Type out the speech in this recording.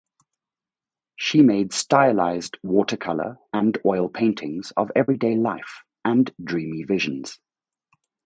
She made stylised watercolour and oil paintings of everyday life and dreamy visions.